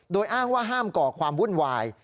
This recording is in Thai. โดยอ้างว่าห้ามก่อความวุ่นวาย